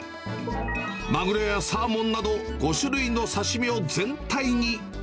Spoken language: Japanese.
マグロやサーモンなど、５種類の刺身を全体に。